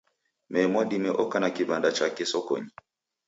Mee Mwadime oka na kiw'anda chake sokonyi